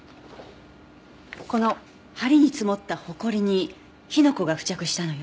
この梁に積もったほこりに火の粉が付着したのよ。